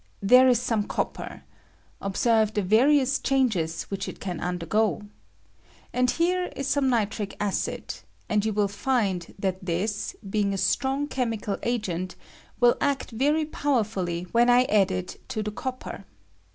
There is some copper (ob serve the various changes which it can under go), and here is some nitric acid, and you will find that this, being a strong chemical agent, will act very powerfully when I add it to the copper.